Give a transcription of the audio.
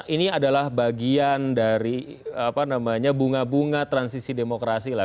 ini adalah bagian dari bunga bunga transisi demokrasi lah